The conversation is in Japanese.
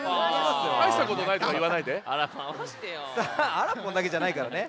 あらぽんだけじゃないからね。